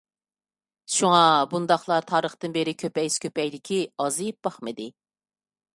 شۇڭا بۇنداقلار تارىختىن بېرى كۆپەيسە كۆپەيدىكى، ئازىيىپ باقمىدى.